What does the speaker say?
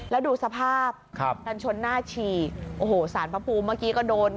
แล้วดูสภาพกันชนหน้าฉีกโอ้โหสารพระภูมิเมื่อกี้ก็โดน